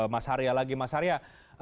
mas haria lagi mas haria